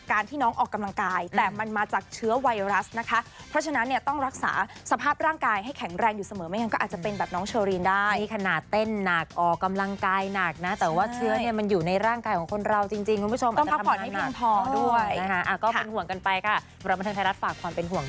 การที่น้องออกกำลังกายแต่มันมาจาก